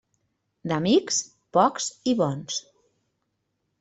D'amics, pocs i bons.